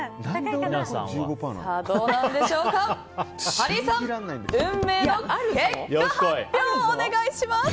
ハリーさん、運命の結果発表お願いします。